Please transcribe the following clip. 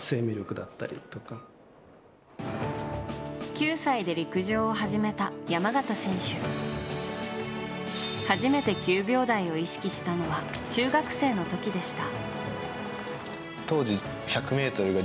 ９歳で陸上を始めた山縣選手が初めて９秒台を意識したのは中学生の時でした。